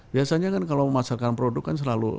biasanya kan kalau memasarkan produk kan selalu